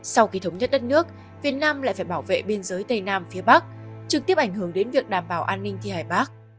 sau khi thống nhất đất nước việt nam lại phải bảo vệ biên giới tây nam phía bắc trực tiếp ảnh hưởng đến việc đảm bảo an ninh thi hải bắc